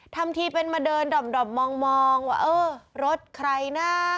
ทำทีเป็นมาเดินด่อมมองว่าเออรถใครนะ